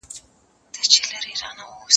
زه به سبا کار کوم